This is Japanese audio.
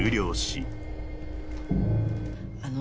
あの。